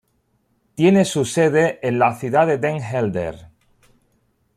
Tiene su sede en la ciudad de Den Helder.